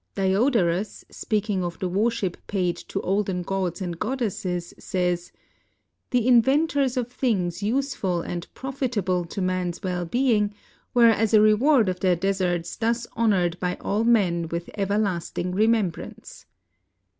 Diodorus, speaking of the worship paid to olden gods and god desses, says :" The inventors of things usefid and profitable to man's well being were as a reward of their deserts thus honored by all men with everlasting remembrance."